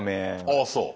ああそう。